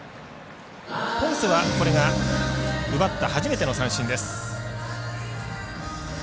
ポンセはこれが奪った初めての三振です。